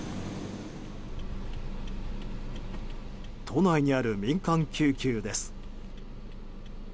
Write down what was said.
都内にある民間救急です。